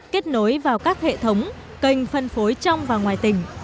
kết nối vào các hệ thống kênh phân phối trong và ngoài tỉnh